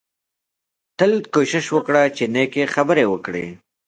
تل کوشش وکړه چې نېکې خبرې وکړې